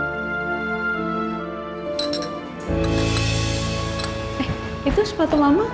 eh itu sepatu mama